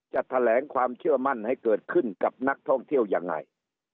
จะแถลงความเชื่อมั่นให้เกิดขึ้นกับนักท่องเที่ยวยังไง